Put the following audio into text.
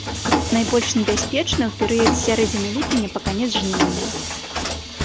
Найбольш небяспечны ў перыяд з сярэдзіны ліпеня па канец жніўня.